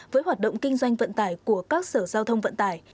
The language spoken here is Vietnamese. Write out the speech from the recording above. với hoạt động kinh doanh vận tải của các sở giao thông vận tải